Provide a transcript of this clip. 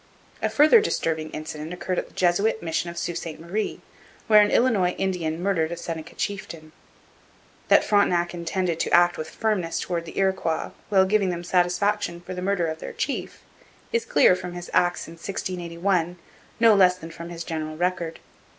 A further disturbing incident occurred at the Jesuit mission of Sault Ste Marie, where an Illinois Indian murdered a Seneca chieftain. That Frontenac intended to act with firmness towards the Iroquois, while giving them satisfaction for the murder of their chief, is clear from his acts in 1681 no less than from his general record.